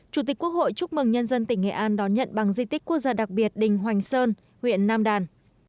chủ tịch quốc hội chúc mừng nhân dân tỉnh nghệ an đón nhận bằng di tích quốc gia đặc biệt đình hoành sơn huyện nam đàn